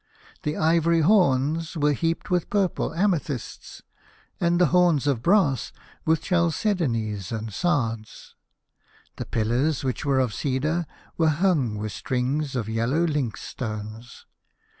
The ivory horns were heaped with purple amethysts, and the horns of brass with chalcedonies and sards. The pillars, which were of cedar, were hung with strings of yellow lynx stones.